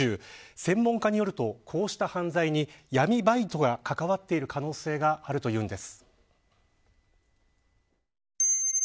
専門家によると、こうした犯罪に闇バイトが関わっている可能性があるというんです。